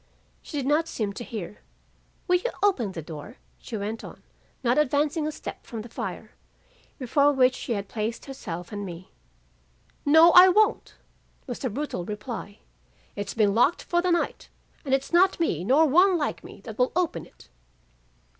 "She did not seem to hear. 'Will you open the door?' she went on, not advancing a step from the fire, before which she had placed herself and me.' "'No, I won't,' was the brutal reply. 'Its been locked for the night and its not me nor one like me, that will open it.